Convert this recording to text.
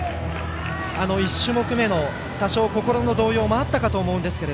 １種目めの多少心の動揺もあったかと思いますが。